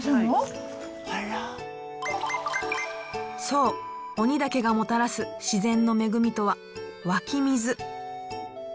そう鬼岳がもたらす自然の恵みとは湧き水。